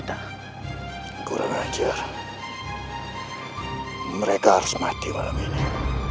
aku harus mencari tempat yang lebih aman